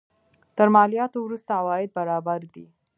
تر مالیاتو وروسته عواید برابر دي.